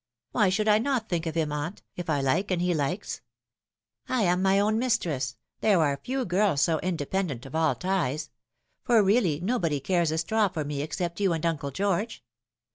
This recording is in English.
" Why should I not think of him, aunt, if I like and he likes ? I am my own mistress ; there are few girls so indepen dent of all ties ; for really nobody cares a straw for me except you and Uncle George.